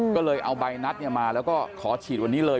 ก็เลยเอาใบนัดมาแล้วก็ขอฉีดวันนี้เลย